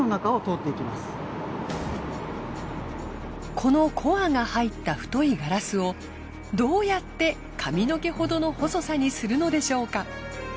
このコアが入った太いガラスをどうやって髪の毛ほどの細さにするのでしょうか？